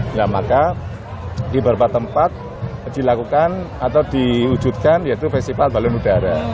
nah maka di beberapa tempat dilakukan atau diwujudkan yaitu festival balon udara